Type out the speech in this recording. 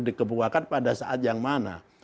dikebuakan pada saat yang mana